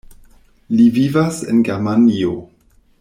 Li vivas en Germanio.